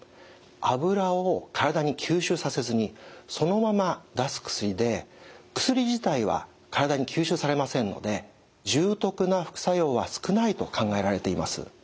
脂を体に吸収させずにそのまま出す薬で薬自体は体に吸収されませんので重篤な副作用は少ないと考えられています。